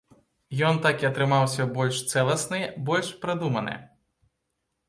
Ён такі атрымаўся больш цэласны, больш прадуманы.